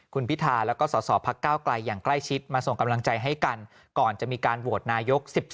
คุณพิธาแล้วก็สสพักก้าวไกลอย่างใกล้ชิดมาส่งกำลังใจให้กันก่อนจะมีการโหวตนายก๑๒